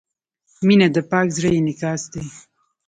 • مینه د پاک زړۀ انعکاس دی.